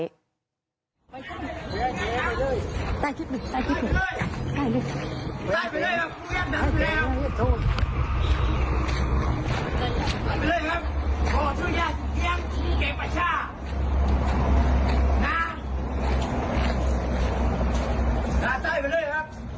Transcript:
ว่ากูอะไรดิแต่คุณโล่เร่งเนี่ยเนอะเขาไม่เจร่่แล้ว